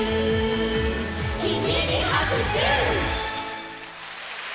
「キミにはくしゅ！」